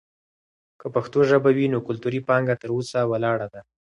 که پښتو ژبه وي، نو کلتوري پانګه تر اوسه ولاړه ده.